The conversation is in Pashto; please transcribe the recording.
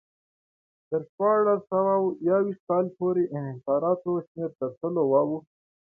تر شپاړس سوه یو ویشت کال پورې انحصاراتو شمېر تر سلو واوښت.